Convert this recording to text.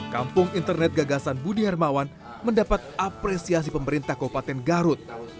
kampung internet gagasan budi hermawan mendapat apresiasi pemerintah kabupaten garut